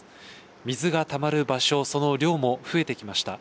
水がたまる場所、その量も増えてきました。